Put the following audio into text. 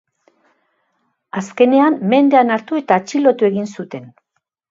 Azkenean, mendean hartu eta atxilotu egin zuten.